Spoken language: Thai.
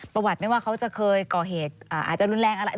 ประวัติไม่ว่าเขาจะเคยก่อเหตุอาจจะรุนแรงอะไร